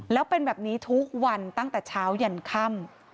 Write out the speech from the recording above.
แล้วเป็นแบบนี้ทุกวันตั้งแต่เช้ายันค่ำ